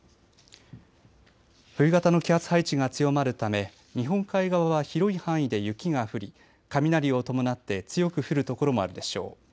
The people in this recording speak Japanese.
冬型の気圧配置が強まるため日本海側は広い範囲で雪が降り雷を伴って強く降る所もあるでしょう。